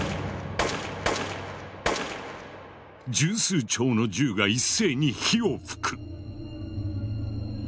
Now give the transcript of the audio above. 十数丁の銃が一斉に火を噴く。